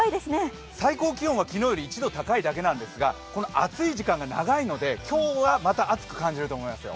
最高気温は昨日より１度高いだけなんですがこの暑い時間が長いので今日はまた暑く感じると思います。